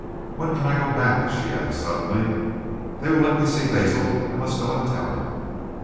"When can I go back?" she asked suddenly. "They will let me see Basil. I must go and tell him."